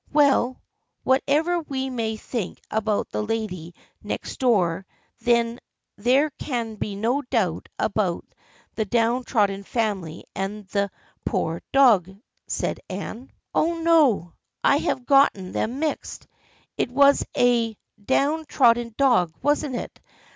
" Well, whatever we may think about the lady next door there can be no doubt about the down trodden family and the poor dog," said Anne. 60 THE FKIENDSHIP OF ANNE " Oh, no, I have gotten them mixed. It was a down trodden dog, wasn't it